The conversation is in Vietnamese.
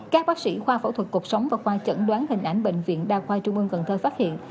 các bác sĩ khoa phẫu thuật cuộc sống và khoa chẩn đoán hình ảnh bệnh viện đa khoa trung ương cần thơ phát hiện